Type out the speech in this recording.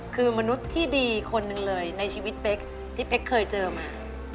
คือมนุษย์ที่ดีคนหนึ่งเลยในชีวิตเป๊กที่เป๊กเคยเจอมา